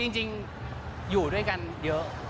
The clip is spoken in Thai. จริงอยู่ด้วยกันเยอะ